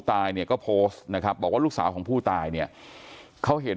ตายเนี่ยก็โพสต์นะครับบอกว่าลูกสาวของผู้ตายเนี่ยเขาเห็น